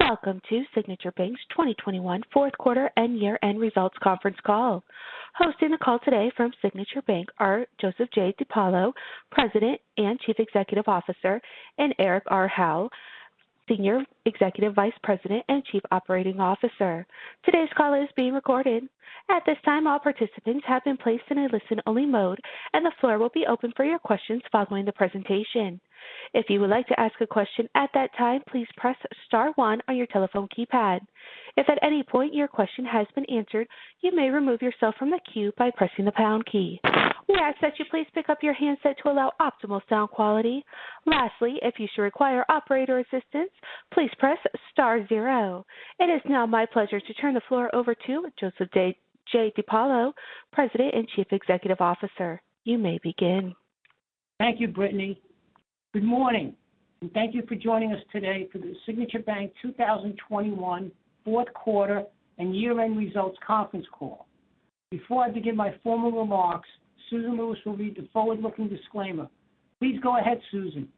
Welcome to Signature Bank's 2021 fourth quarter and year-end results conference call. Hosting the call today from Signature Bank are Joseph J. DePaolo, President and Chief Executive Officer, and Eric R. Howell, Senior Executive Vice President and Chief Operating Officer. Today's call is being recorded. At this time, all participants have been placed in a listen-only mode, and the floor will be open for your questions following the presentation. If you would like to ask a question at that time, please press star one on your telephone keypad. If at any point your question has been answered, you may remove yourself from the queue by pressing the pound key. We ask that you please pick up your handset to allow optimal sound quality. Lastly, if you should require operator assistance, please press star zero. It is now my pleasure to turn the floor over to Joseph J. DePaolo, President and Chief Executive Officer. You may begin. Thank you, Brittany. Good morning, and thank you for joining us today for the Signature Bank 2021 fourth quarter and year-end results conference call. Before I begin my formal remarks, Susan Lewis will read the forward-looking disclaimer. Please go ahead, Susan.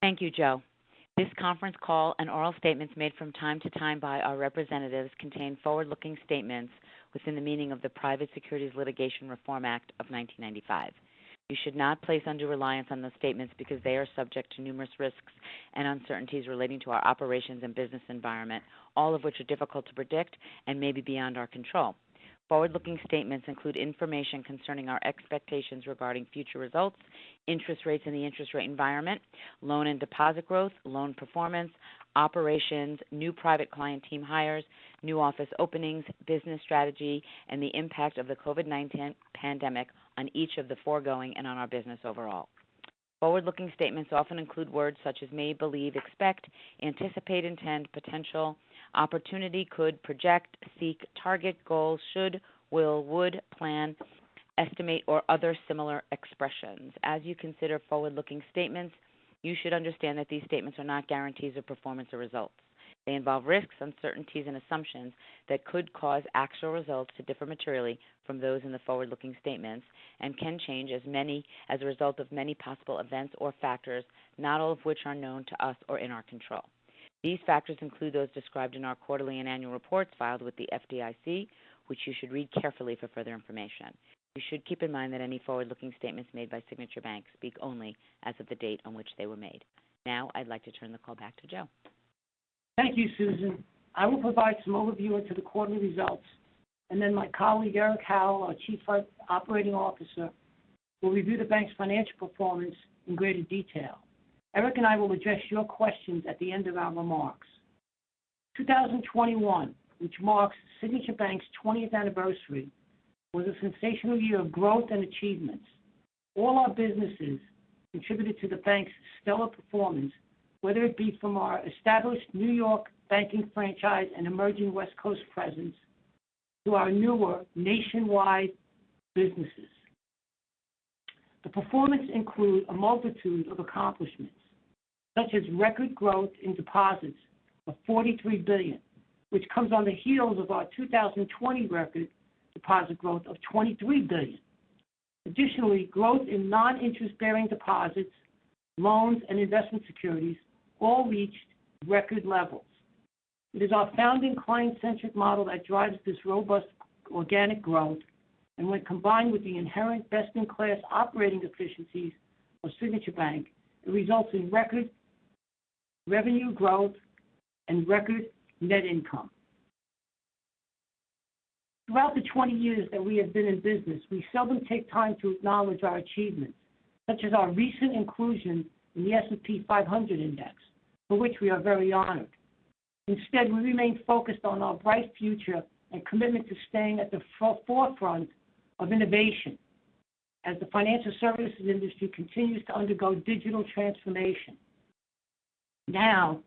Thank you, Joe. This conference call and oral statements made from time to time by our representatives contain forward-looking statements within the meaning of the Private Securities Litigation Reform Act of 1995. You should not place undue reliance on those statements because they are subject to numerous risks and uncertainties relating to our operations and business environment, all of which are difficult to predict and may be beyond our control. Forward-looking statements include information concerning our expectations regarding future results, interest rates in the interest rate environment, loan and deposit growth, loan performance, operations, new private client team hires, new office openings, business strategy, and the impact of the COVID-19 pandemic on each of the foregoing and on our business overall. Forward-looking statements often include words such as may, believe, expect, anticipate, intend, potential, opportunity, could, project, seek, target, goal, should, will, would, plan, estimate, or other similar expressions. As you consider forward-looking statements, you should understand that these statements are not guarantees of performance or results. They involve risks, uncertainties, and assumptions that could cause actual results to differ materially from those in the forward-looking statements and can change as a result of many possible events or factors, not all of which are known to us or in our control. These factors include those described in our quarterly and annual reports filed with the FDIC, which you should read carefully for further information. You should keep in mind that any forward-looking statements made by Signature Bank speak only as of the date on which they were made. Now, I'd like to turn the call back to Joe. Thank you, Susan. I will provide some overview into the quarterly results, and then my colleague, Eric Howell, our Chief Operating Officer, will review the bank's financial performance in greater detail. Eric and I will address your questions at the end of our remarks. 2021, which marks Signature Bank's twentieth anniversary, was a sensational year of growth and achievements. All our businesses contributed to the bank's stellar performance, whether it be from our established New York banking franchise and emerging West Coast presence to our newer nationwide businesses. The performance includes a multitude of accomplishments, such as record growth in deposits of $43 billion, which comes on the heels of our 2020 record deposit growth of $23 billion. Additionally, growth in non-interest-bearing deposits, loans, and investment securities all reached record levels. It is our founding client-centric model that drives this robust organic growth, and when combined with the inherent best-in-class operating efficiencies of Signature Bank, it results in record revenue growth and record net income. Throughout the 20 years that we have been in business, we seldom take time to acknowledge our achievements, such as our recent inclusion in the S&P 500 index, for which we are very honored. Instead, we remain focused on our bright future and commitment to staying at the forefront of innovation as the financial services industry continues to undergo digital transformation. Now,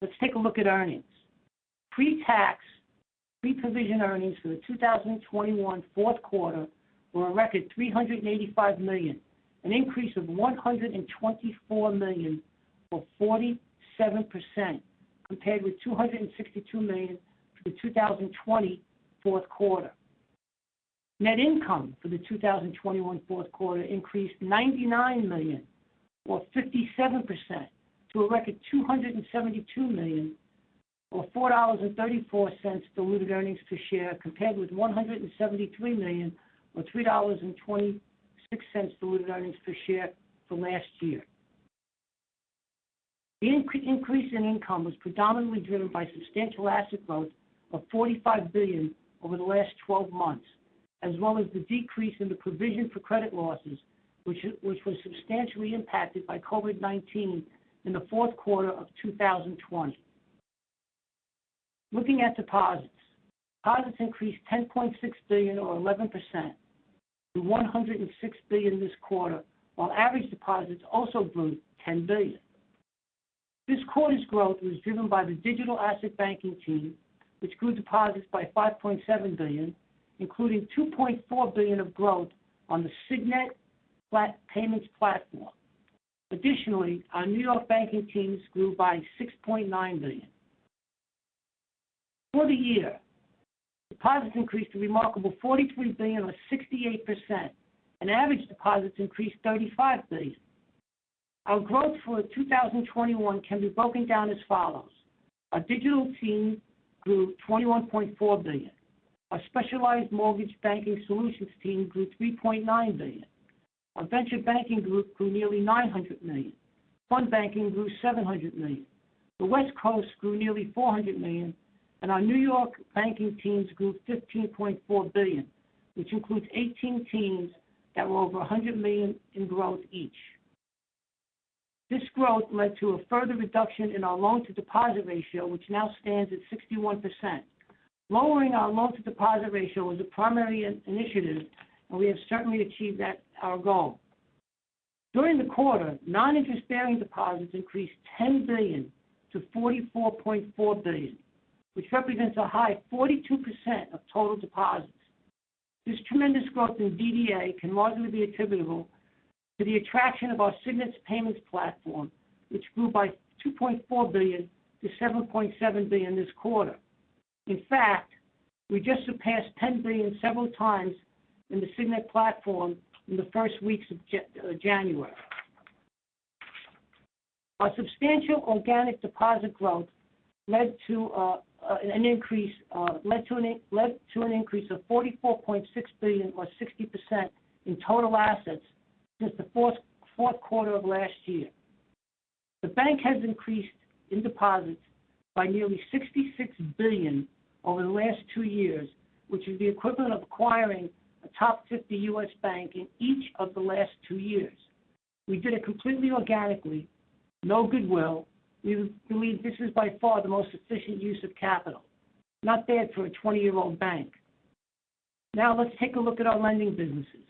let's take a look at earnings. Pre-tax, pre-provision earnings for the 2021 fourth quarter were a record $385 million, an increase of $124 million, or 47% compared with $262 million for the 2020 fourth quarter. Net income for the 2021 fourth quarter increased $99 million or 57% to a record $272 million or $4.34 diluted earnings per share, compared with $173 million or $3.26 diluted earnings per share from last year. The increase in income was predominantly driven by substantial asset growth of $45 billion over the last twelve months, as well as the decrease in the provision for credit losses, which was substantially impacted by COVID-19 in the fourth quarter of 2020. Looking at deposits. Deposits increased $10.6 billion or 11% to $106 billion this quarter, while average deposits also grew $10 billion. This quarter's growth was driven by the digital asset banking team, which grew deposits by $5.7 billion, including $2.4 billion of growth on the Signet Payments platform. Additionally, our New York banking teams grew by $6.9 billion. For the year, deposits increased a remarkable $43 billion or 68%, and average deposits increased $35 billion. Our growth for 2021 can be broken down as follows. Our digital team grew $21.4 billion. Our specialized mortgage banking solutions team grew $3.9 billion. Our venture banking group grew nearly $900 million. Fund banking grew $700 million. The West Coast grew nearly $400 million. Our New York banking teams grew $15.4 billion, which includes 18 teams that were over $100 million in growth each. This growth led to a further reduction in our loan-to-deposit ratio, which now stands at 61%. Lowering our loan-to-deposit ratio is a primary initiative, and we have certainly achieved that, our goal. During the quarter, non-interest-bearing deposits increased $10 billion to $44.4 billion, which represents a high of 42% of total deposits. This tremendous growth in DDA can largely be attributable to the attraction of our Signet Payments platform, which grew by $2.4 billion to $7.7 billion this quarter. In fact, we just surpassed $10 billion several times in the Signet platform in the first weeks of January. Our substantial organic deposit growth led to an increase of $44.6 billion or 60% in total assets since the fourth quarter of last year. The bank has increased in deposits by nearly $66 billion over the last two years, which is the equivalent of acquiring a top 50 U.S. bank in each of the last two years. We did it completely organically, no goodwill. We believe this is by far the most efficient use of capital. Not bad for a 20-year-old bank. Now let's take a look at our lending businesses.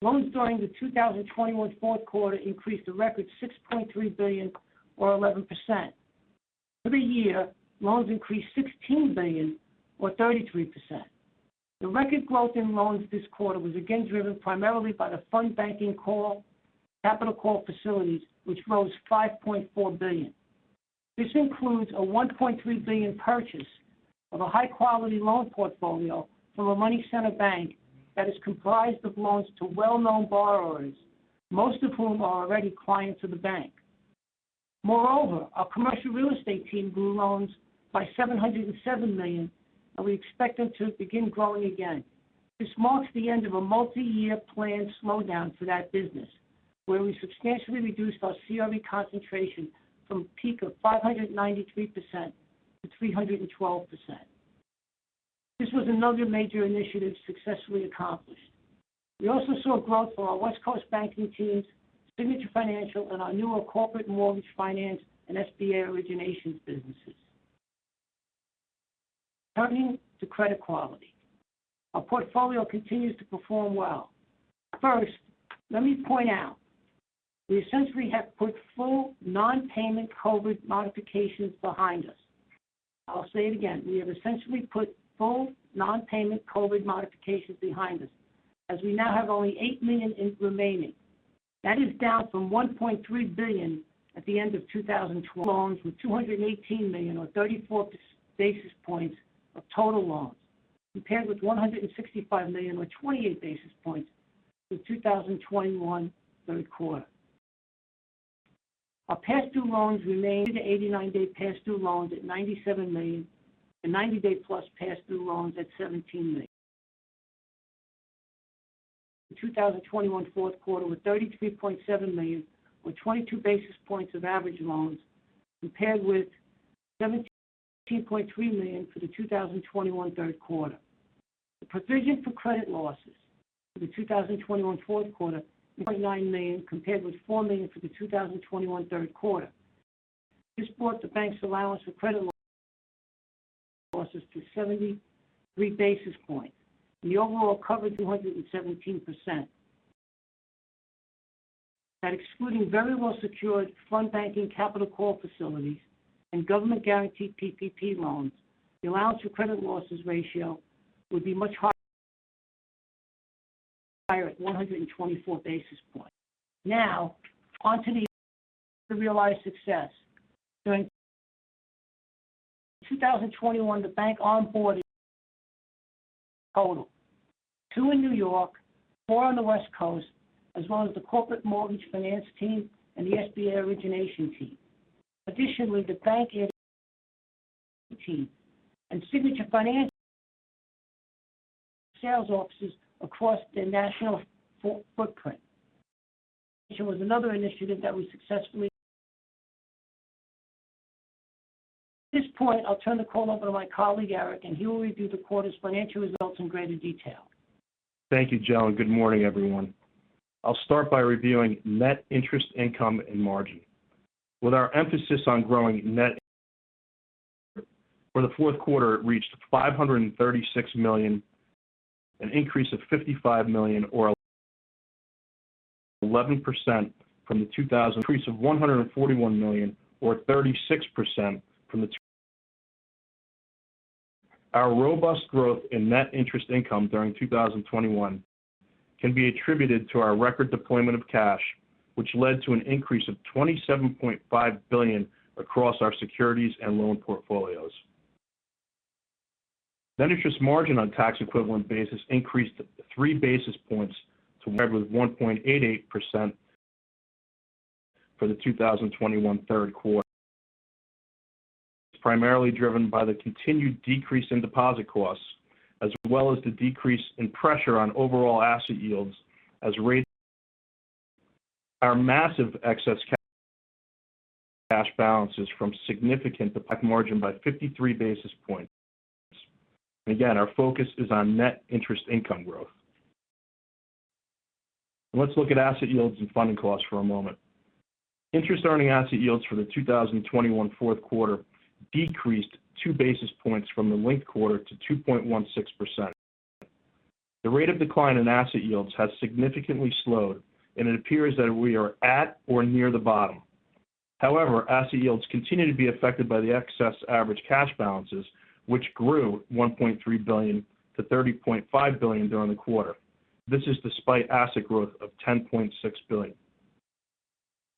Loans during the 2021 fourth quarter increased a record $6.3 billion or 11%. For the year, loans increased $16 billion or 33%. The record growth in loans this quarter was again driven primarily by the fund banking, capital call facilities, which rose $5.4 billion. This includes a $1.3 billion purchase of a high-quality loan portfolio from a money center bank that is comprised of loans to well-known borrowers, most of whom are already clients of the bank. Moreover, our commercial real estate team grew loans by $707 million, and we expect them to begin growing again. This marks the end of a multi-year planned slowdown for that business, where we substantially reduced our CRE concentration from a peak of 593%-312%. This was another major initiative successfully accomplished. We also saw growth for our West Coast banking teams, Signature Financial, and our newer corporate mortgage finance and SBA originations businesses. Turning to credit quality, our portfolio continues to perform well. First, let me point out, we essentially have put full non-payment COVID modifications behind us. I'll say it again. We have essentially put full non-payment COVID modifications behind us, as we now have only $8 million remaining. That is down from $1.3 billion at the end of 2020. Loans with $218 million or 34 basis points of total loans, compared with $165 million or 28 basis points for 2021 third quarter. Our past due loans remained at 89-day past due loans at $97 million and 90-day-plus past due loans at $17 million. 2021 fourth quarter with $33.7 million or 22 basis points of average loans, compared with $17.3 million for the 2021 third quarter. The provision for credit losses for the 2021 fourth quarter $0.9 million, compared with $4 million for the 2021 third quarter. This brought the bank's allowance for credit losses to 73 basis points. The overall coverage 217%. Excluding very well-secured fund banking capital call facilities and government-guaranteed PPP loans, the allowance for credit losses ratio would be much higher at 124 basis points. Now on to the realized success. During 2021, the bank onboarded total two in New York, four on the West Coast, as well as the corporate mortgage finance team and the SBA origination team. Additionally, the bank team and Signature Financial sales offices across the national footprint. It was another initiative that we successfully. At this point, I'll turn the call over to my colleague, Eric, and he will review the quarter's financial results in greater detail. Thank you, Joe, and good morning, everyone. I'll start by reviewing net interest income and margin. With our emphasis on growing net for the fourth quarter, it reached $536 million, an increase of $55 million or 11% from the third quarter, an increase of $141 million or 36% from the prior year. Our robust growth in net interest income during 2021 can be attributed to our record deployment of cash, which led to an increase of $27.5 billion across our securities and loan portfolios. Net interest margin on tax equivalent basis increased three basis points to 1.88% for the 2021 third quarter. Primarily driven by the continued decrease in deposit costs as well as the decrease in pressure on overall asset yields as rates. Our massive excess cash balances decreased net interest margin by 53 basis points. Again, our focus is on net interest income growth. Let's look at asset yields and funding costs for a moment. Interest earning asset yields for the 2021 fourth quarter decreased 2 basis points from the linked quarter to 2.16%. The rate of decline in asset yields has significantly slowed, and it appears that we are at or near the bottom. However, asset yields continue to be affected by the excess average cash balances, which grew $1.3 billion to $30.5 billion during the quarter. This is despite asset growth of $10.6 billion.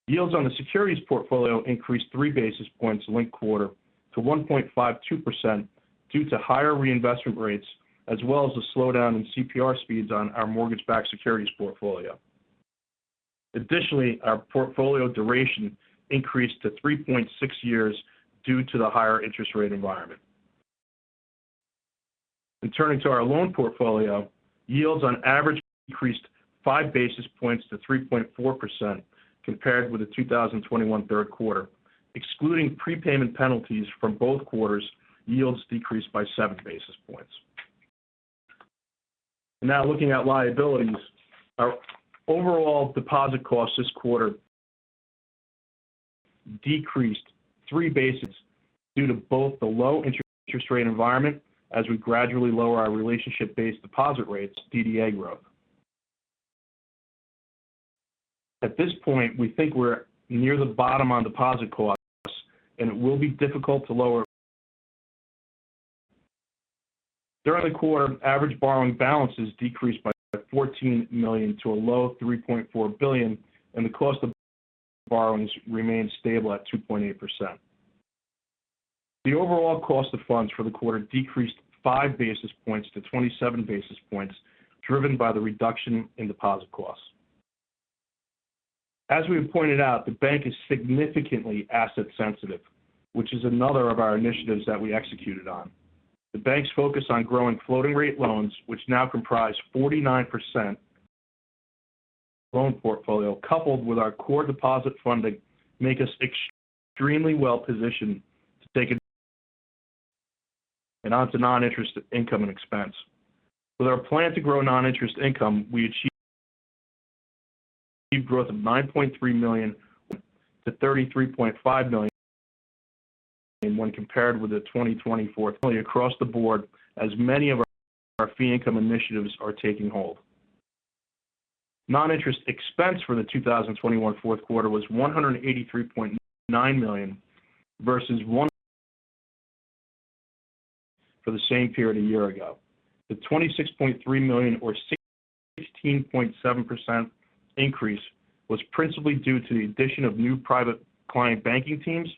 Yields on the securities portfolio increased 3 basis points linked quarter to 1.52% due to higher reinvestment rates as well as the slowdown in CPR speeds on our mortgage-backed securities portfolio. Additionally, our portfolio duration increased to 3.6 years due to the higher interest rate environment. Turning to our loan portfolio, yields on average increased 5 basis points to 3.4% compared with the 2021 third quarter. Excluding prepayment penalties from both quarters, yields decreased by 7 basis points. Now looking at liabilities. Our overall deposit costs this quarter decreased 3 basis points due to both the low interest rate environment as we gradually lower our relationship-based deposit rates, DDA growth. At this point, we think we're near the bottom on deposit costs, and it will be difficult to lower. During the quarter, average borrowing balances decreased by $14 million to a low of $3.4 billion, and the cost of borrowings remained stable at 2.8%. The overall cost of funds for the quarter decreased 5 basis points to 27 basis points, driven by the reduction in deposit costs. As we pointed out, the bank is significantly asset sensitive, which is another of our initiatives that we executed on. The bank's focus on growing floating-rate loans, which now comprise 49% loan portfolio, coupled with our core deposit funding, make us extremely well-positioned to take. On to non-interest income and expense. With our plan to grow non-interest income, we achieved growth of $9.3 million to $33.5 million when compared with 2024 across the board as many of our fee income initiatives are taking hold. Noninterest expense for the 2021 fourth quarter was $183.9 million versus $157.6 million for the same period a year ago. The $26.3 million or 16.7% increase was principally due to the addition of new private client banking teams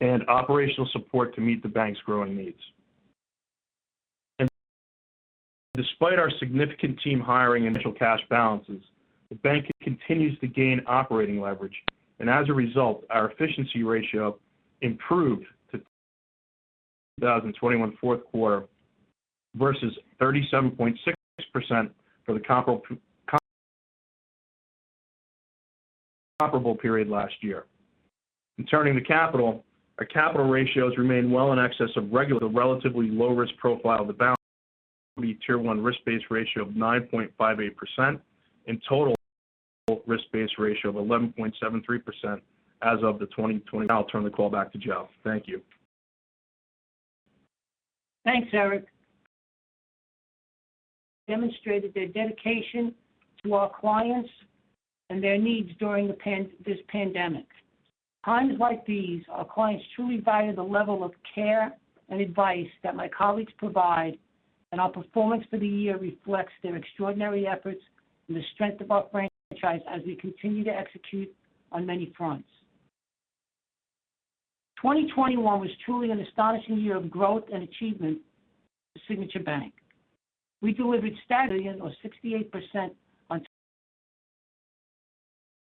and operational support to meet the bank's growing needs. Despite our significant team hiring initial cash balances, the bank continues to gain operating leverage. As a result, our efficiency ratio improved to 31.3% in the 2021 fourth quarter versus 37.6% for the comparable period last year. Turning to capital, our capital ratios remain well in excess of regulatory requirements, given the relatively low risk profile of the balance sheet. Tier 1 risk-based ratio of 9.58% and total risk-based ratio of 11.73% as of 2020. Now I'll turn the call back to Joe. Thank you. Thanks, Eric. They demonstrated their dedication to our clients and their needs during the pandemic. Times like these, our clients truly value the level of care and advice that my colleagues provide, and our performance for the year reflects their extraordinary efforts and the strength of our franchise as we continue to execute on many fronts. 2021 was truly an astonishing year of growth and achievement for Signature Bank. We delivered 68%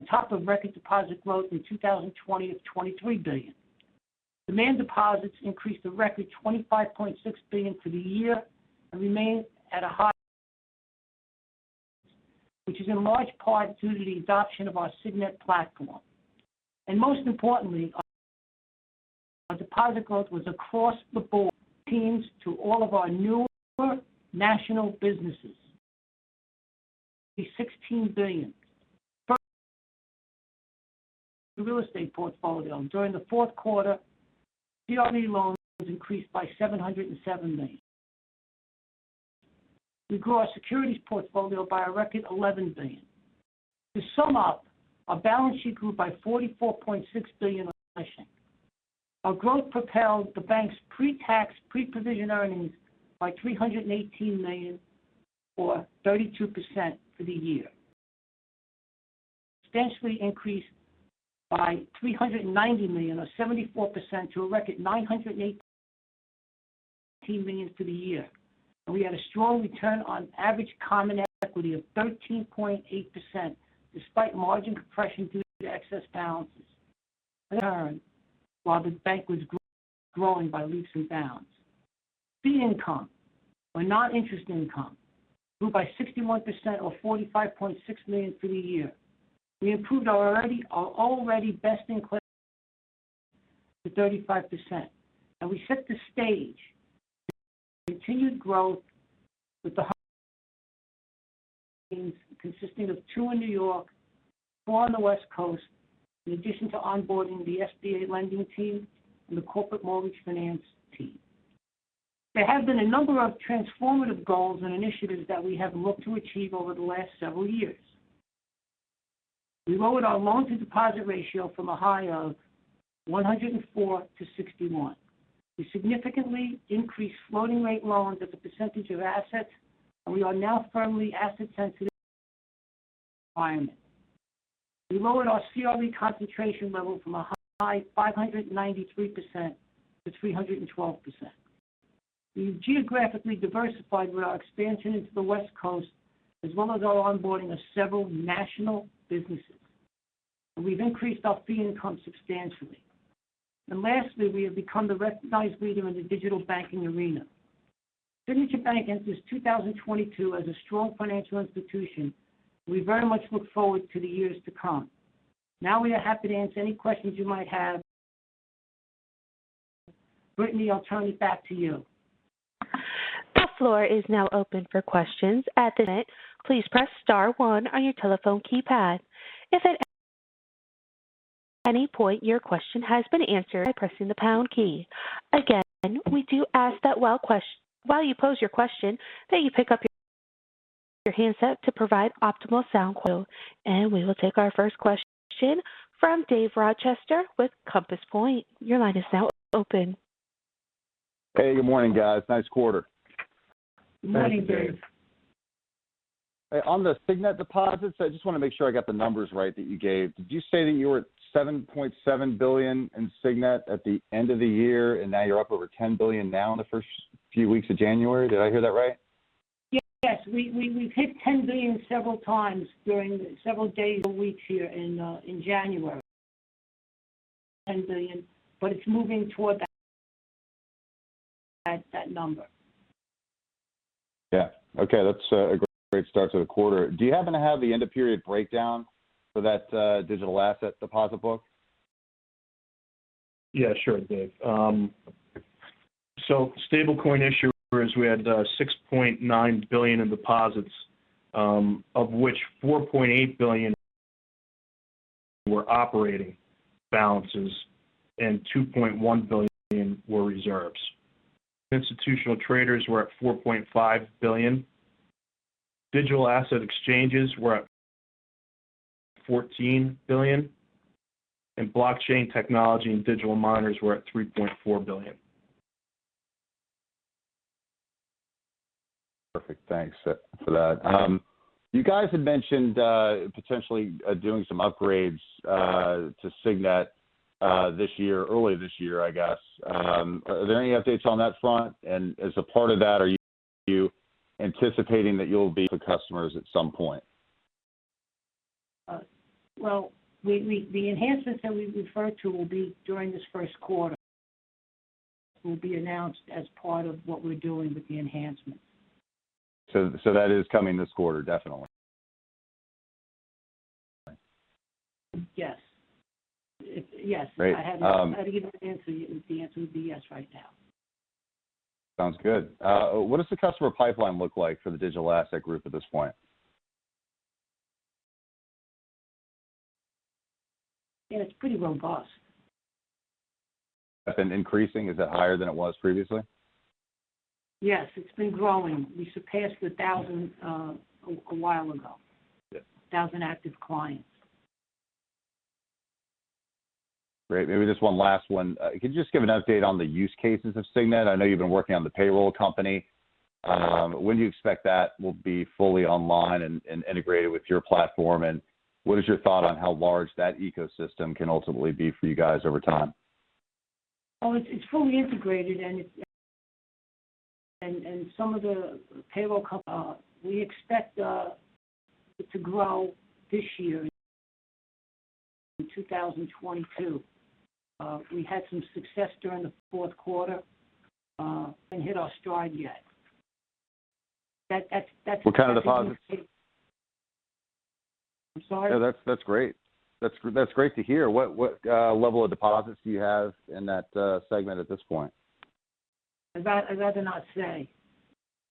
on top of record deposit growth in 2020 of $23 billion. Demand deposits increased a record $25.6 billion for the year and remain at a high, which is in large part due to the adoption of our Signet platform. Most importantly, our deposit growth was across the board, thanks to all of our newer national businesses. $16 billion. The real estate portfolio during the fourth quarter CRE loans was increased by $707 million. We grew our securities portfolio by a record $11 billion. To sum up, our balance sheet grew by $44.6 billion. Our growth propelled the bank's pre-tax, pre-provision earnings by $318 million, or 32% for the year, substantially increased by $390 million, or 74% to a record $918 million for the year. We had a strong return on average common equity of 13.8% despite margin compression due to excess balances while the bank was growing by leaps and bounds. Noninterest income grew by 61% or $45.6 million for the year. We improved our already best in class to 35%, and we set the stage for continued growth with the teams consisting of two in New York, four on the West Coast, in addition to onboarding the SBA lending team and the corporate mortgage finance team. There have been a number of transformative goals and initiatives that we have looked to achieve over the last several years. We lowered our loan to deposit ratio from a high of 104%-61%. We significantly increased floating rate loans as a percentage of assets, and we are now firmly in an asset sensitive environment. We lowered our CRE concentration level from a high of 593% to 312%. We've geographically diversified with our expansion into the West Coast, as well as our onboarding of several national businesses. We've increased our fee income substantially. Lastly, we have become the recognized leader in the digital banking arena. Signature Bank enters 2022 as a strong financial institution. We very much look forward to the years to come. Now we are happy to answer any questions you might have. Brittany, I'll turn it back to you. The floor is now open for questions. At this time, please press star one on your telephone keypad. If at any point your question has been answered, press the pound key. Again, we do ask that while you pose your question, that you pick up your handset to provide optimal sound. We will take our first question from Dave Rochester with Compass Point. Your line is now open. Hey, good morning, guys. Nice quarter. Good morning, Dave. On the Signet deposits, I just want to make sure I got the numbers right that you gave. Did you say that you were at $7.7 billion in Signet at the end of the year, and now you're up over $10 billion now in the first few weeks of January? Did I hear that right? Yes. We've hit $10 billion several times during several days and weeks here in January. $10 billion, but it's moving toward that number. Yeah. Okay. That's a great start to the quarter. Do you happen to have the end of period breakdown for that, digital asset deposit book? Yeah, sure, Dave. Stablecoin issuers, we had $6.9 billion in deposits, of which $4.8 billion were operating balances and $2.1 billion were reserves. Institutional traders were at $4.5 billion. Digital asset exchanges were at $14 billion, and blockchain technology and digital miners were at $3.4 billion. Perfect. Thanks for that. You guys had mentioned potentially doing some upgrades to Signet this year, early this year, I guess. Are there any updates on that front? As a part of that, are you anticipating that you'll be the customers at some point? Well, the enhancements that we refer to will be during this first quarter, will be announced as part of what we're doing with the enhancements. that is coming this quarter, definitely? Yes. Yes. Great. If I had to give an answer, the answer would be yes right now. Sounds good. What does the customer pipeline look like for the digital asset group at this point? It's pretty robust. Has been increasing. Is it higher than it was previously? Yes. It's been growing. We surpassed 1,000 a while ago. Yes. 1,000 active clients. Great. Maybe just one last one. Can you just give an update on the use cases of Signet? I know you've been working on the payroll company. When do you expect that will be fully online and integrated with your platform? And what is your thought on how large that ecosystem can ultimately be for you guys over time? Oh, it's fully integrated, and some of the payroll company we expect it to grow this year in 2022. We had some success during the fourth quarter and hit our stride yet. That's What kind of deposits? I'm sorry? No, that's great. That's great to hear. What level of deposits do you have in that segment at this point? I'd rather not say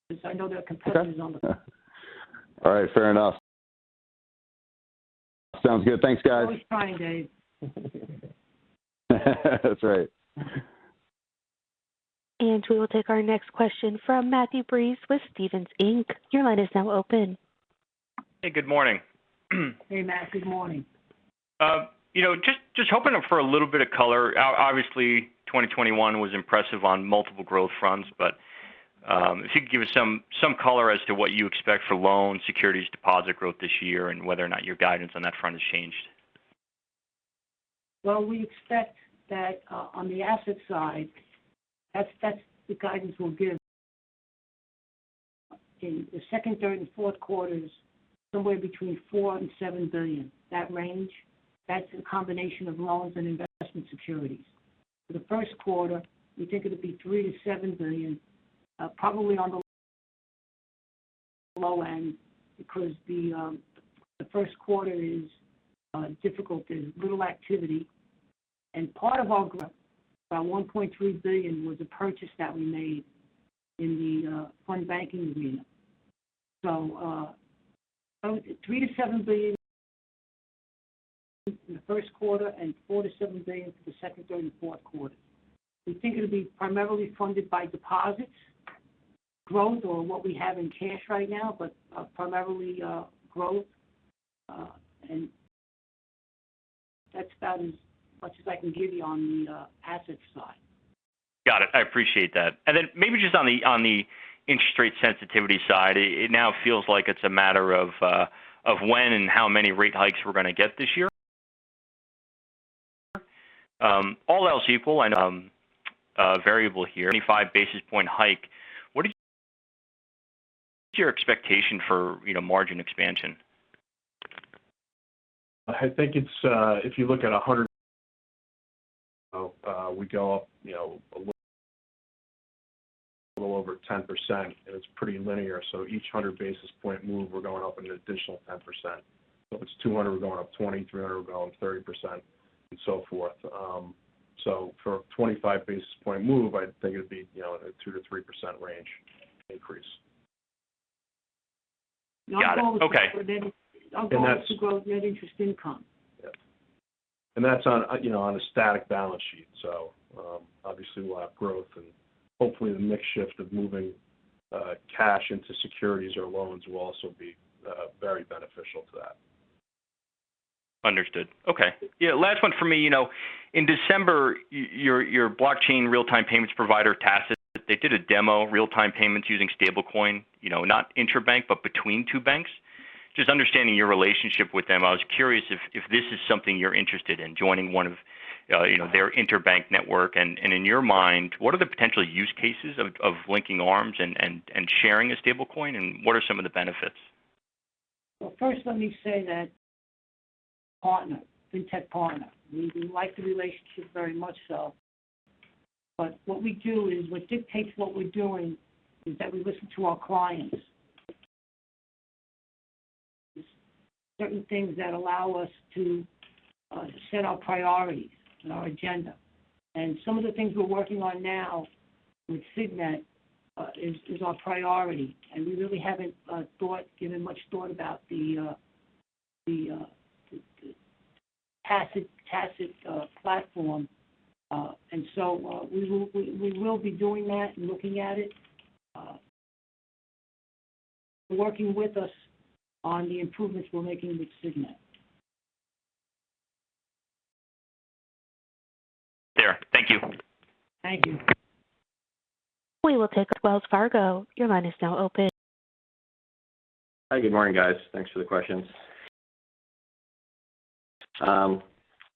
because I know there are competitors on the Okay. All right. Fair enough. Sounds good. Thanks, guys. Always trying, Dave. That's right. We will take our next question from Matthew Breese with Stephens Inc. Your line is now open. Hey, good morning. Hey, Matt. Good morning. You know, just hoping for a little bit of color. Obviously 2021 was impressive on multiple growth fronts, but if you could give us some color as to what you expect for loans, securities, deposit growth this year, and whether or not your guidance on that front has changed. Well, we expect that on the asset side, that's the guidance we'll give. In the second, third, and fourth quarters, somewhere between $4 billion and $7 billion, that range. That's a combination of loans and investment securities. For the first quarter, we think it'll be $3 billion-$7 billion, probably on the low end, because the first quarter is difficult. There's little activity. Part of our growth, about $1.3 billion, was a purchase that we made in the fund banking unit. Three to seven billion in the first quarter and $4 billion-$7 billion for the second, third, and fourth quarter. We think it'll be primarily funded by deposits growth, or what we have in cash right now, but primarily growth. That's about as much as I can give you on the assets side. Got it. I appreciate that. Maybe just on the interest rate sensitivity side. It now feels like it's a matter of when and how many rate hikes we're gonna get this year. All else equal, I know it's variable here, 25 basis point hike. What is your expectation for, you know, margin expansion? I think it's if you look at a 100 basis point move, we go up, you know, a little over 10%. It's pretty linear, so each 100 basis point move, we're going up an additional 10%. If it's 200, we're going up 20, 300, we're going up 30% and so forth. For a 25 basis point move, I think it'd be, you know, a 2%-3% range increase. Got it. Okay. Our goal is to grow net interest income. Yeah. That's on a, you know, on a static balance sheet. Obviously we'll have growth. Hopefully the mix shift of moving cash into securities or loans will also be very beneficial to that. Understood. Okay. Yeah, last one for me. You know, in December, your blockchain real-time payments provider, Tassat, they did a demo of real-time payments using stablecoin. You know, not interbank, but between two banks. Just understanding your relationship with them, I was curious if this is something you're interested in, joining one of, you know, their interbank network. In your mind, what are the potential use cases of linking arms and sharing a stablecoin, and what are some of the benefits? Well, first let me say that Signet is a partner, a FinTech partner. We like the relationship very much so. What dictates what we're doing is that we listen to our clients. Certain things that allow us to set our priorities and our agenda. Some of the things we're working on now with Signet is our priority. We really haven't given much thought about the Tassat platform. We will be doing that and looking at it. They're working with us on the improvements we're making with Signet. Fair. Thank you. Thank you. We will take our next question from Jared Shaw with Wells Fargo. Your line is now open. Hi, good morning, guys. Thanks for the questions.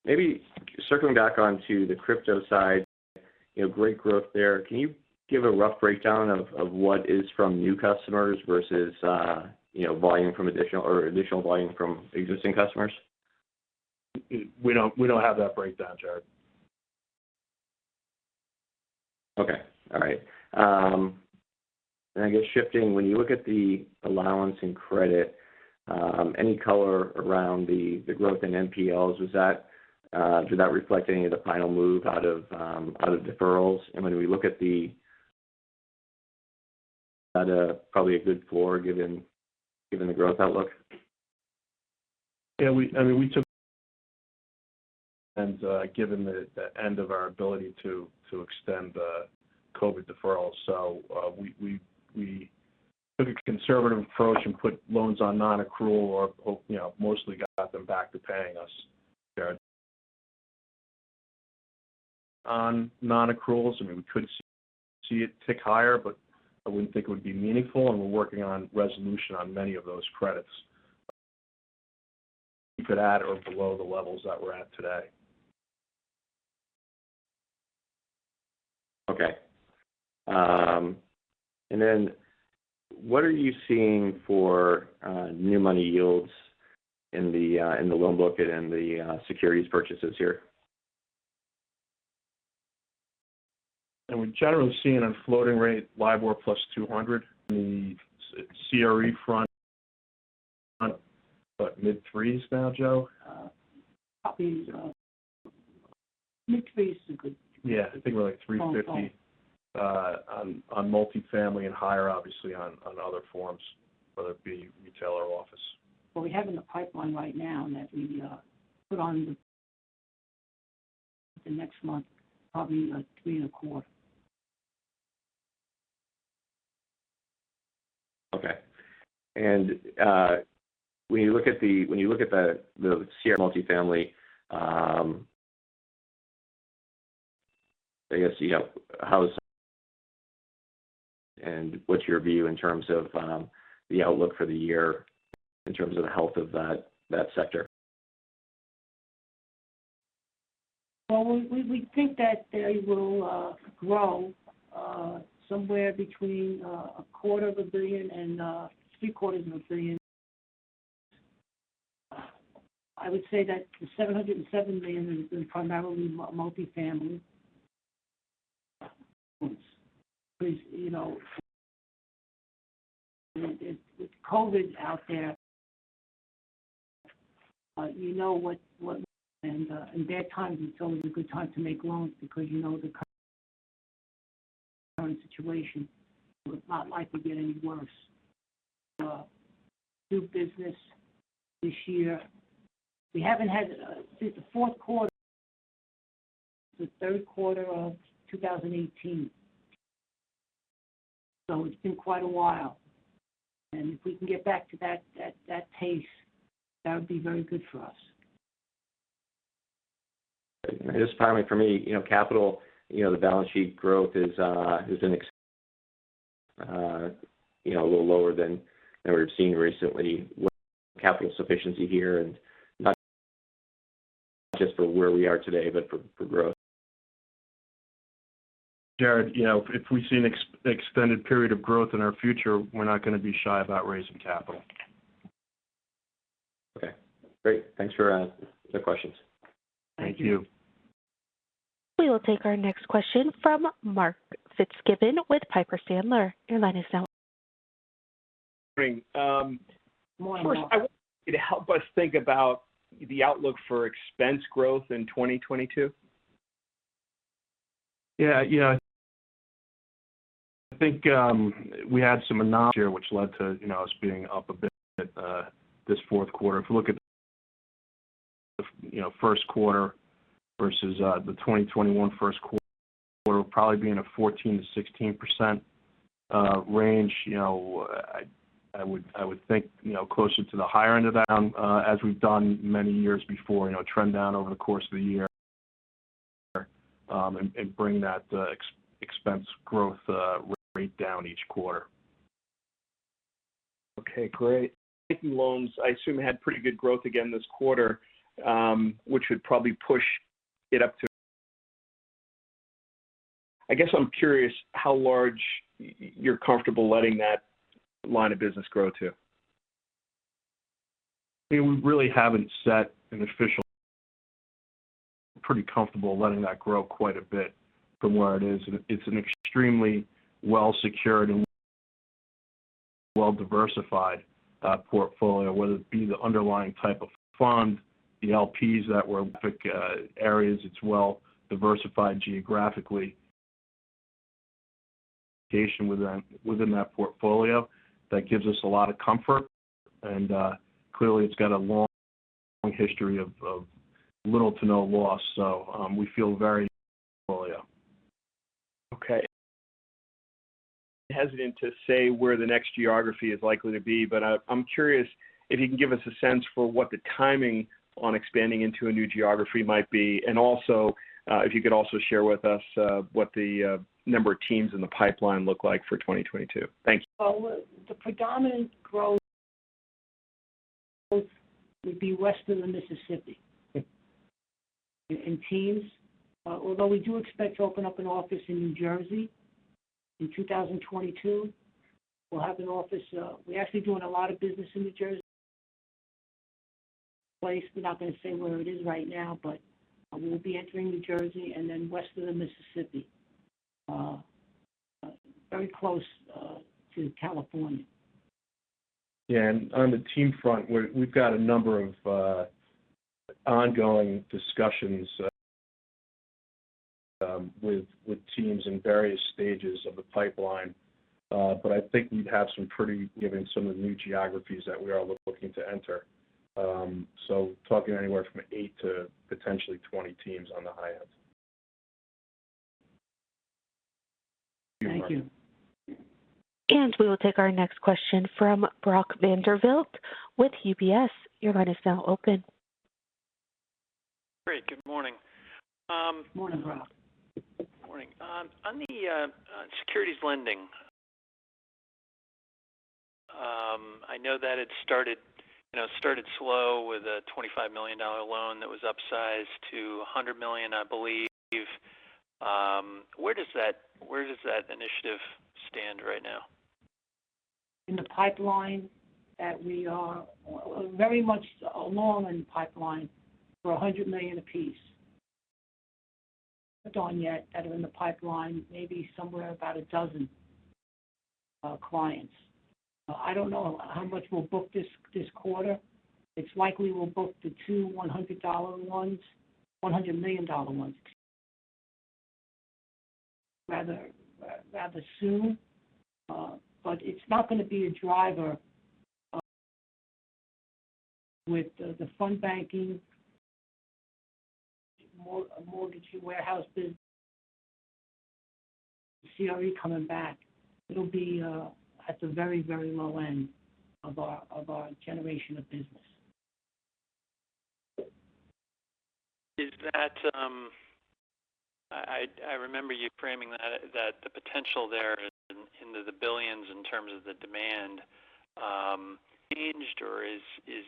Maybe circling back onto the crypto side. You know, great growth there. Can you give a rough breakdown of what is from new customers versus volume from additional volume from existing customers? We don't have that breakdown, Jared. I guess shifting. When you look at the allowance and credit, any color around the growth in NPLs. Did that reflect any of the final move out of deferrals? When we look at that, is that probably a good floor given the growth outlook? I mean, we took a conservative approach and, given the end of our ability to extend the COVID deferrals. We took a conservative approach and put loans on nonaccrual or, you know, mostly got them back to paying us, Jared. On nonaccruals, I mean, we could see it tick higher, but I wouldn't think it would be meaningful, and we're working on resolution on many of those credits. I think it would be equal or below the levels that we're at today. Okay. What are you seeing for new money yields in the loan book and in the securities purchases here? I mean, we're generally seeing a floating rate LIBOR plus 200. On the CRE front, about mid 3s now, Joe? Probably, mid 3s is a good- Yeah. I think we're like 350. Small. on multifamily and higher obviously on other forms, whether it be retail or office. What we have in the pipeline right now that we put on the next month, probably, 3.25. Okay. When you look at the CRE multifamily, what's your view in terms of the outlook for the year in terms of the health of that sector? Well, we think that they will grow somewhere between a quarter of a billion and three-quarters of a billion. I would say that the $707 million has been primarily multifamily. Because you know, with COVID out there, you know in bad times it's always a good time to make loans because you know the current situation will not likely get any worse. New business this year we haven't had since the third quarter of 2018. It's been quite a while. If we can get back to that pace, that would be very good for us. Just primarily for me, you know, capital, you know, the balance sheet growth is a little lower than we've seen recently. Capital sufficiency here and not just for where we are today, but for growth? Jared, you know, if we see an extended period of growth in our future, we're not gonna be shy about raising capital. Okay, great. Thanks for answering the questions. Thank you. Thank you. We will take our next question from Mark Fitzgibbon with Piper Sandler. Your line is now open. Morning. Morning. First, I wonder if you could help us think about the outlook for expense growth in 2022. I think we had some anomaly here, which led to, you know, us being up a bit this fourth quarter. If you look at the, you know, first quarter versus the 2021 first quarter, we'll probably be in a 14%-16% range. You know, I would think, you know, closer to the higher end of that one, as we've done many years before, you know, trend down over the course of a year, and bring that expense growth rate down each quarter. Okay, great. Equity loans, I assume, had pretty good growth again this quarter, which would probably push it up to. I guess I'm curious how large you're comfortable letting that line of business grow to. I mean, we really haven't set an official. We're pretty comfortable letting that grow quite a bit from where it is. It's an extremely well secured and well diversified portfolio, whether it be the underlying type of fund, the LPs, the areas, it's well diversified geographically. Within that portfolio. That gives us a lot of comfort and clearly it's got a long history of little to no loss. We feel very comfortable with the portfolio. Okay. Hesitant to say where the next geography is likely to be, but I'm curious if you can give us a sense for what the timing on expanding into a new geography might be, and also, if you could also share with us, what the number of teams in the pipeline look like for 2022. Thank you. Well, the predominant growth would be west of the Mississippi. Okay. Although we do expect to open up an office in New Jersey in 2022. We'll have an office. We're actually doing a lot of business in New Jersey. We're not gonna say where it is right now, but we'll be entering New Jersey and then west of the Mississippi. Very close to California. On the team front, we've got a number of ongoing discussions with teams in various stages of the pipeline. I think, given some of the new geographies that we are looking to enter, talking anywhere from eight to potentially 20 teams on the high end. Thank you. Thank you. We will take our next question from Brock Vandervliet with UBS. Your line is now open. Great. Good morning. Morning, Brock. Morning. On securities lending, I know that it started, you know, slow with a $25 million loan that was upsized to $100 million, I believe. Where does that initiative stand right now? In the pipeline, we are very much along in the pipeline for $100 million apiece. But only yet that are in the pipeline, maybe somewhere about a dozen clients. I don't know how much we'll book this quarter. It's likely we'll book the two $100 million ones. $100 million ones rather soon. But it's not gonna be a driver with the fund banking mortgage warehouse business CRE coming back. It'll be at the very, very low end of our generation of business. Is that, I remember you framing that the potential there in the billions in terms of the demand, engaged, or is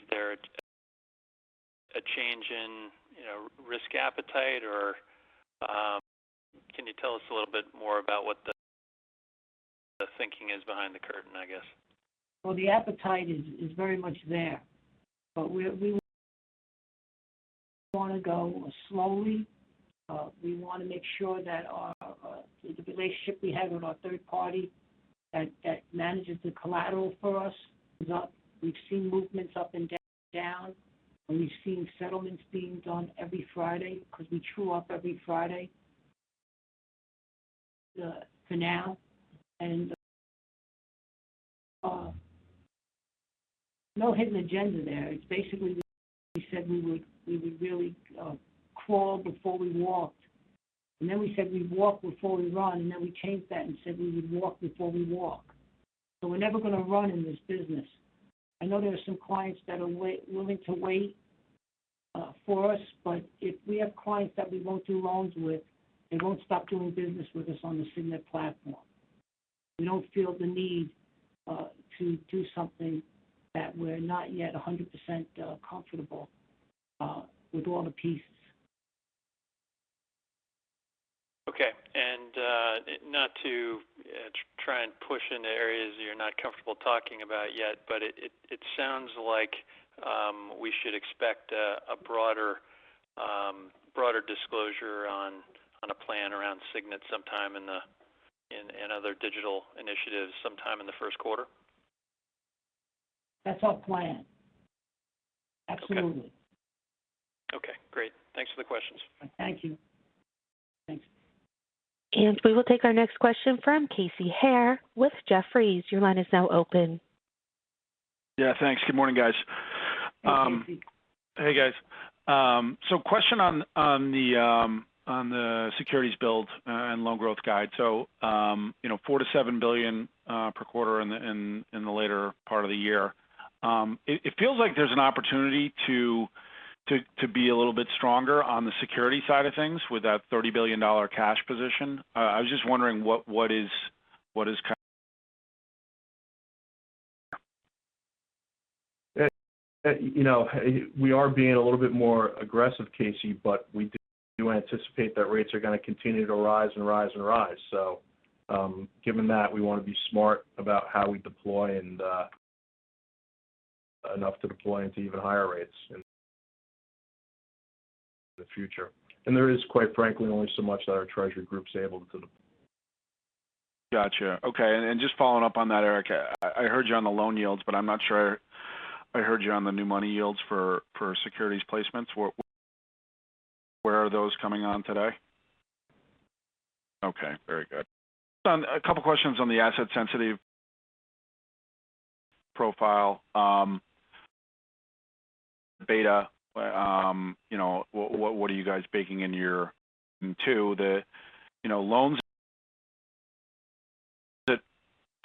there a change in, you know, risk appetite or, can you tell us a little bit more about what the thinking is behind the curtain, I guess? Well, the appetite is very much there. We wanna go slowly. We wanna make sure that our relationship we have with our third party that manages the collateral for us is up. We've seen movements up and down, and we've seen settlements being done every Friday, because we true-up every Friday for now. No hidden agenda there. It's basically we said we would really crawl before we walked. We said we'd walk before we run, and then we changed that and said we would walk before we walk. We're never gonna run in this business. I know there are some clients that are willing to wait for us, but if we have clients that we go through loans with, they won't stop doing business with us on the Signet platform. We don't feel the need to do something that we're not yet 100% comfortable with all the pieces. Okay. Not to try and push into areas you're not comfortable talking about yet, but it sounds like we should expect a broader disclosure on a plan around Signet and other digital initiatives sometime in the first quarter? That's our plan. Absolutely. Okay. Okay, great. Thanks for the questions. Thank you. Thanks. We will take our next question from Casey Haire with Jefferies. Your line is now open. Yeah, thanks. Good morning, guys. Hey, Casey. Hey, guys. Question on the securities build and loan growth guide. You know, $4 billion-$7 billion per quarter in the later part of the year. It feels like there's an opportunity to be a little bit stronger on the securities side of things with that $30 billion cash position. I was just wondering what is kind- You know, we are being a little bit more aggressive, Casey, but we do anticipate that rates are gonna continue to rise and rise and rise. Given that, we wanna be smart about how we deploy and enough to deploy into even higher rates in the future. There is, quite frankly, only so much that our treasury group's able to- Gotcha. Okay. Just following up on that, Eric, I heard you on the loan yields, but I'm not sure I heard you on the new money yields for securities placements. Where are those coming in today? Okay, very good. A couple questions on the asset sensitive profile, beta. You know, what are you guys baking into the, you know, loans that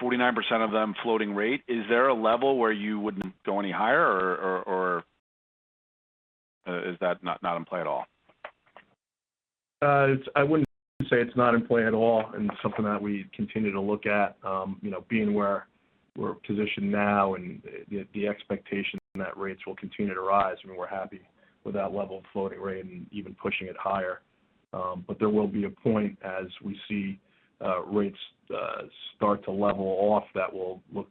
49% of them floating rate? Is there a level where you wouldn't go any higher or is that not in play at all? I wouldn't say it's not in play at all and something that we continue to look at, you know, being where we're positioned now and the expectation that rates will continue to rise, and we're happy with that level of floating rate and even pushing it higher. There will be a point as we see rates start to level off that we'll look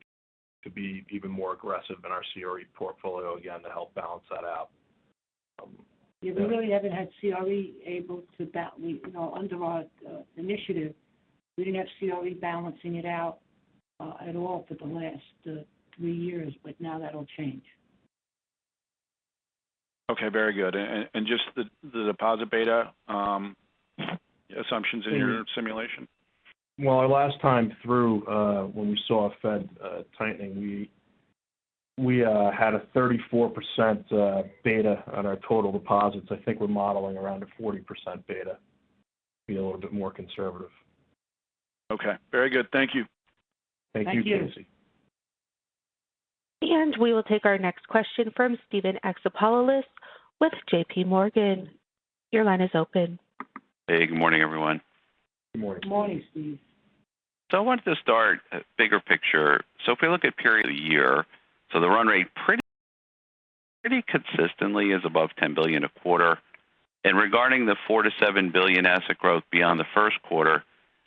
to be even more aggressive in our CRE portfolio again to help balance that out. Yeah, we really haven't had CRE able to, you know, under our initiative, we didn't have CRE balancing it out at all for the last three years. Now that'll change. Okay, very good. Just the deposit beta assumptions in your simulation. Well, our last time through, when we saw a Fed tightening, we had a 34% beta on our total deposits. I think we're modeling around a 40% beta. Be a little bit more conservative. Okay. Very good. Thank you. Thank you, Casey. Thank you. We will take our next question from Steven Alexopoulos with JPMorgan. Your line is open. Hey, good morning, everyone. Good morning. Good morning, Steve. I wanted to start with the bigger picture. If we look at year to date, the run rate pretty consistently is above $10 billion a quarter. Regarding the $4 billion-$7 billion asset growth beyond the first quarter,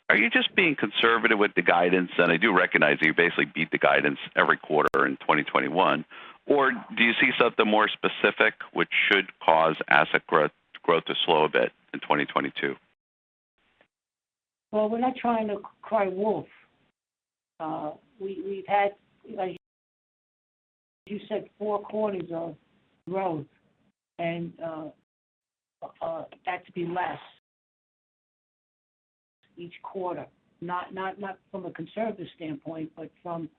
are you just being conservative with the guidance? I do recognize that you basically beat the guidance every quarter in 2021. Do you see something more specific which should cause asset growth to slow a bit in 2022? Well, we're not trying to cry wolf. We've had, you know, you said four quarters of growth and that to be less each quarter. Not from a conservative standpoint, but from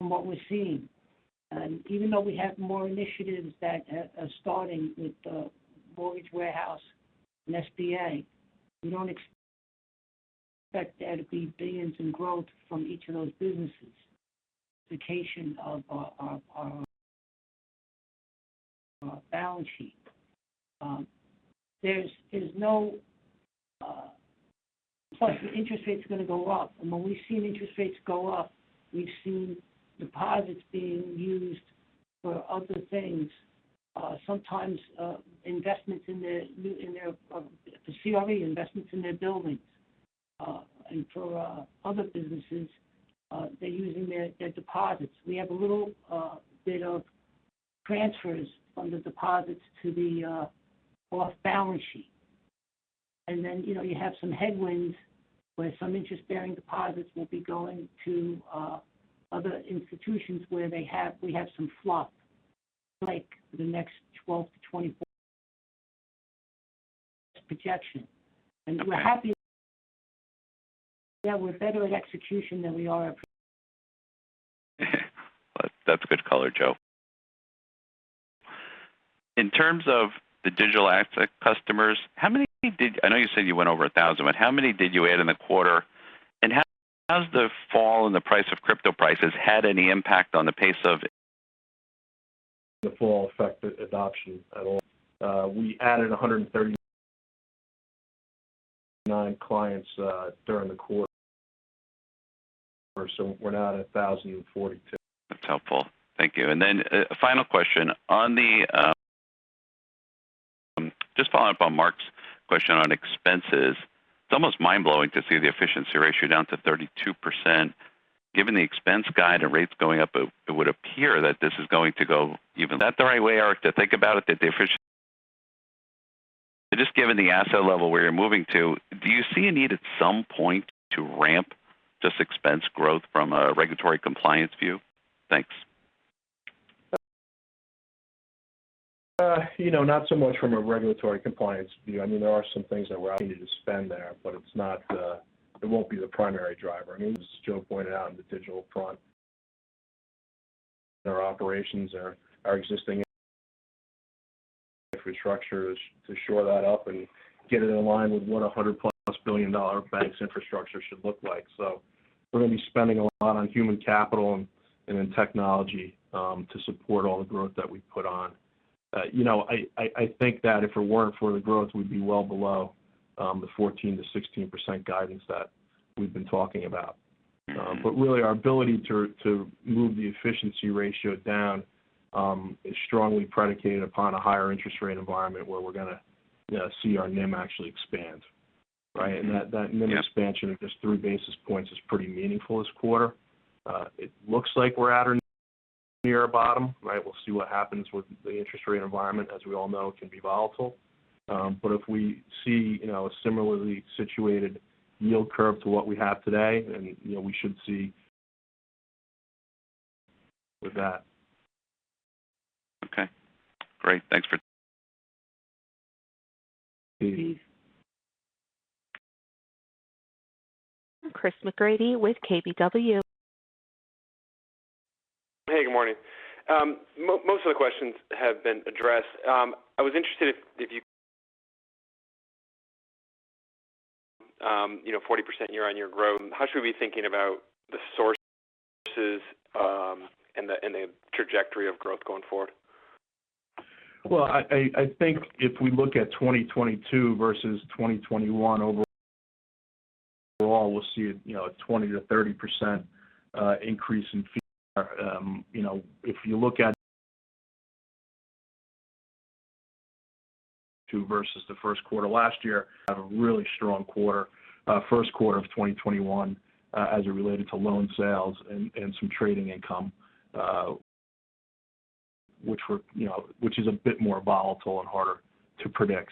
what we're seeing. Even though we have more initiatives that are starting with the Mortgage Warehouse and SBA, we don't expect there to be $ billions in growth from each of those businesses. The case in of our balance sheet. There's no. Plus, the interest rate's gonna go up. When we've seen interest rates go up, we've seen deposits being used for other things, sometimes, investments in their, for CRE investments in their buildings. For, other businesses, they're using their deposits. We have a little bit of transfers from the deposits to the off-balance sheet. Then, you know, you have some headwinds where some interest-bearing deposits will be going to other institutions where we have some fluff, like the next 12-24 projection. We're happy that we're better at execution than we are at prediction. That's a good color, Joe. In terms of the digital asset customers, how many, I know you said you went over 1,000, but how many did you add in the quarter? How's the fall in the price of crypto prices had any impact on the pace of- The fall affect the adoption at all. We added 139 clients during the quarter, so we're now at 1,042. That's helpful. Thank you. Final question. Just following up on Mark's question on expenses. It's almost mind-blowing to see the efficiency ratio down to 32%. Given the expense guide and rates going up, it would appear that this is going to go even lower. Is that the right way, Eric, to think about it? Just given the asset level where you're moving to, do you see a need at some point to ramp this expense growth from a regulatory compliance view? Thanks. You know, not so much from a regulatory compliance view. I mean, there are some things that we're asking you to spend there, but it's not, it won't be the primary driver. I mean, as Joe pointed out in the digital front our operations are our existing infrastructures to shore that up and get it in line with what a $100+ billion bank's infrastructure should look like. So we're gonna be spending a lot on human capital and in technology to support all the growth that we put on. You know, I think that if it weren't for the growth, we'd be well below the 14%-16% guidance that we've been talking about. Really our ability to move the efficiency ratio down is strongly predicated upon a higher interest rate environment where we're gonna, you know, see our NIM actually expand, right? Mm-hmm. Yep. That NIM expansion of just three basis points is pretty meaningful this quarter. It looks like we're at or near our bottom, right? We'll see what happens with the interest rate environment, as we all know, can be volatile. If we see, you know, a similarly situated yield curve to what we have today, and, you know, we should see with that. Okay, great. Thanks for. Please. Chris McGratty with KBW. Hey, good morning. Most of the questions have been addressed. I was interested if you you know, 40% year-on-year growth, how should we be thinking about the sources and the trajectory of growth going forward? Well, I think if we look at 2022 versus 2021 overall, we'll see a 20%-30% increase in fee. You know, if you look at 2022 versus the first quarter last year, we had a really strong quarter, first quarter of 2021, as it related to loan sales and some trading income, which is a bit more volatile and harder to predict.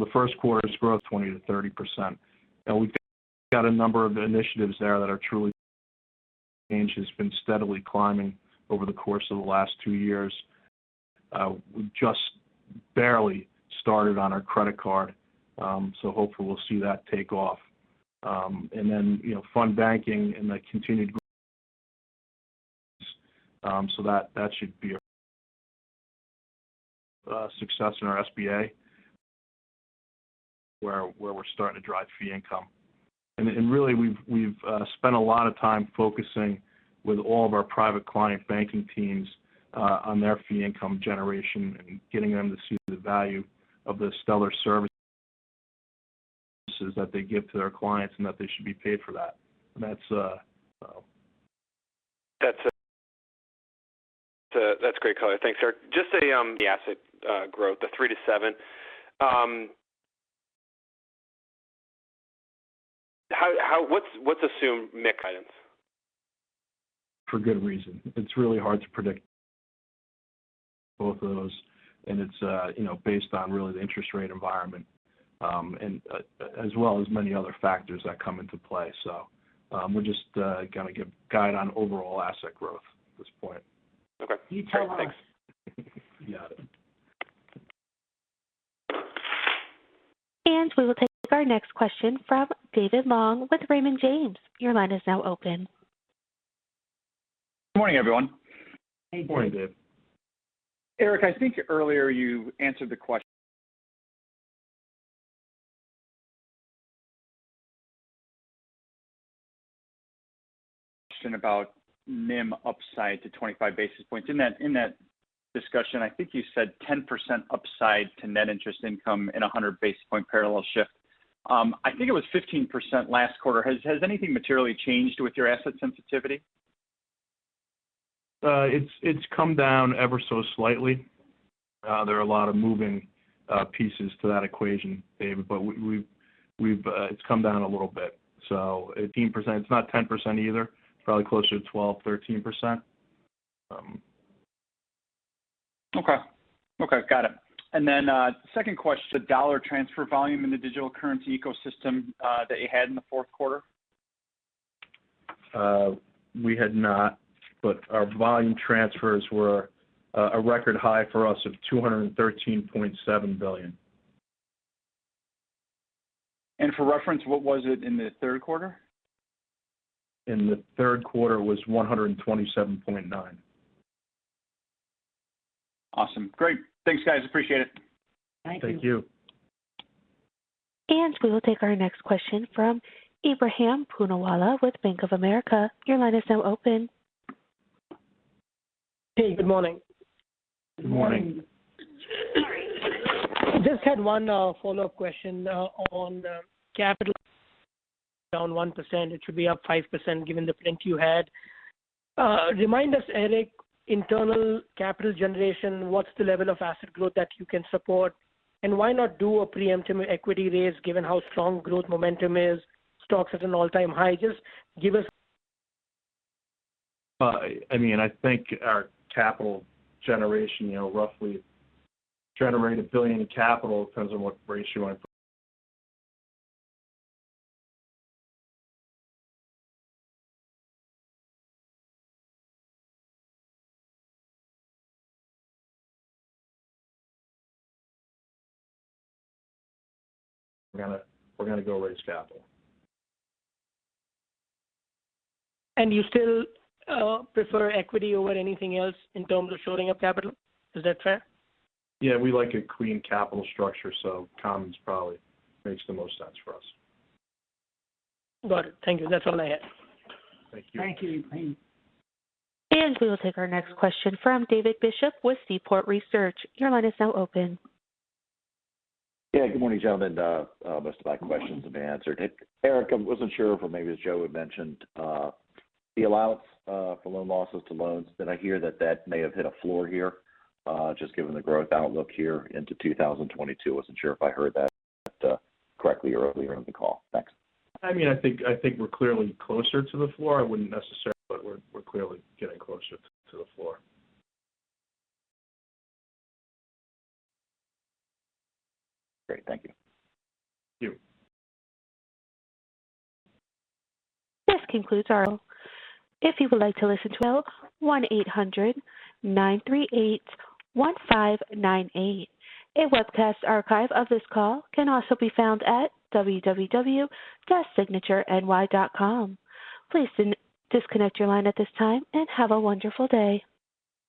The first quarter's growth 20%-30%. We've got a number of initiatives there that are truly. The change has been steadily climbing over the course of the last two years. We just barely started on our credit card, so hopefully we'll see that take off. You know, fund banking and the continued growth so that should be a success in our SBA, where we're starting to drive fee income. Really we've spent a lot of time focusing with all of our private client banking teams on their fee income generation and getting them to see the value of the stellar services that they give to their clients and that they should be paid for that. That's so. That's great color. Thanks, Eric. Just the asset growth, the 3%-7%. What's assumed MIC guidance? For good reason. It's really hard to predict both of those. It's, you know, based on really the interest rate environment, and as well as many other factors that come into play. We're just gonna give guidance on overall asset growth at this point. Okay. You tell them. Thanks. You got it. We will take our next question from David Long with Raymond James. Your line is now open. Good morning, everyone. Good morning. Good morning, Dave. Eric, I think earlier you answered the question about NIM upside to 25 basis points. In that discussion, I think you said 10% upside to net interest income and a 100 basis point parallel shift. I think it was 15% last quarter. Has anything materially changed with your asset sensitivity? It's come down ever so slightly. There are a lot of moving pieces to that equation, David. It's come down a little bit. 18%. It's not 10% either. It's probably closer to 12%-13%. Okay, got it. Second question, the dollar transfer volume in the digital currency ecosystem that you had in the fourth quarter. We had not. Our volume transfers were a record high for us of $213.7 billion. For reference, what was it in the third quarter? In the third quarter was 127.9. Awesome. Great. Thanks, guys. Appreciate it. Thank you. Thank you. We will take our next question from Ebrahim Poonawala with Bank of America. Your line is now open. Hey, good morning. Good morning. Good morning. Just had one follow-up question on the capital down 1%. It should be up 5% given the strength you had. Remind us, Eric, internal capital generation, what's the level of asset growth that you can support? Why not do a preemptive equity raise given how strong growth momentum is? Stock's at an all-time high. Just give us- I mean, I think our capital generation, you know, roughly generate $1 billion in capital. Depends on what ratio you wanna. We're gonna go raise capital. You still prefer equity over anything else in terms of shoring up capital? Is that fair? Yeah, we like a clean capital structure, so commons probably makes the most sense for us. Got it. Thank you. That's all I had. Thank you. Thank you, Ebrahim. We will take our next question from David Bishop with Seaport Research. Your line is now open. Yeah, good morning, gentlemen. Most of my questions have been answered. Eric, I wasn't sure if maybe Joe had mentioned the allowance for loan losses to loans, but I hear that may have hit a floor here just given the growth outlook here into 2022. Wasn't sure if I heard that correctly or earlier in the call. Thanks. I mean, I think we're clearly closer to the floor. I wouldn't necessarily, but we're clearly getting closer to the floor. Great. Thank you. Thank you. If you would like to listen to 1-800-938-1598. A webcast archive of this call can also be found at www.signatureny.com. Please disconnect your line at this time, and have a wonderful day.